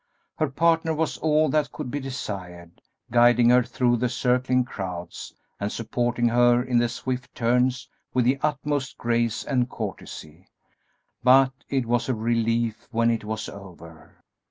Her partner was all that could be desired, guiding her through the circling crowds, and supporting her in the swift turns with the utmost grace and courtesy, but it was a relief when it was over.